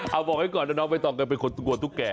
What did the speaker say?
เอ้าบอกให้ก่อนนะน้องเบ้ตองก็เป็นคนกลัวตุ๊กแก้